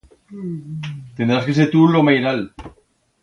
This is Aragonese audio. Tendrás que ser tu lo mairal.